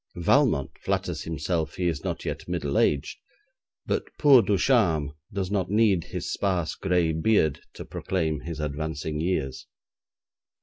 Valmont flatters himself he is not yet middle aged, but poor Ducharme does not need his sparse gray beard to proclaim his advancing years.